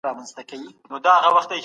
سرمایه داري باید ختمه سي.